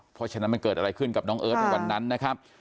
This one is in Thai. เพราะฉะนั้นมันเกิดอะไรขึ้นกับน้องเอิร์ทในวันนั้นนะครับ